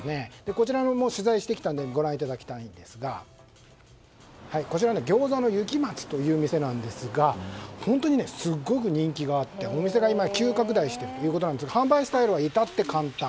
こちらも取材してきたのでご覧いただきたいのですがこちらは餃子の雪松という店なんですが本当にすごく人気があってお店が急拡大していますが販売スタイルは至って簡単。